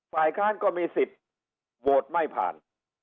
ฝคก็มีสิทธิ์โหวตไม่ผล